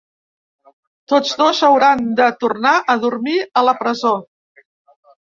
Tots dos hauran de tornar a dormir a la presó.